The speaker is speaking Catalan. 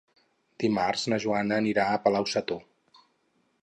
Dimarts na Joana anirà a Palau-sator.